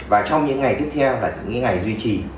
và trong những ngày tiếp theo là những ngày duy trì